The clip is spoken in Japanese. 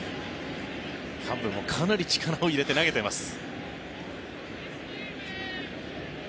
カッブもかなり力を入れて投げています。